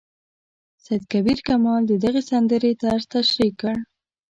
سید کبیر کمال د دغې سندرې طرز تشریح کړ.